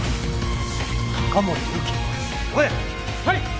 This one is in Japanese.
はい！